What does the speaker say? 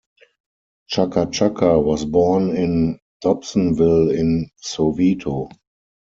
Chaka Chaka was born in Dobsonville in Soweto.